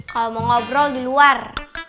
kalau mau ngobrol di luar